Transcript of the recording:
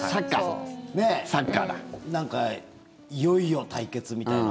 なんかいよいよ対決みたいな。